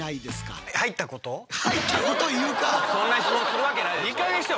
そんな非行するわけないでしょ。